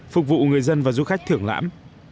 phục vụ người dân và du khách thưởng lãm